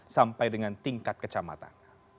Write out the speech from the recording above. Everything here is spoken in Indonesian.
sampai dengan tingkat kecamatan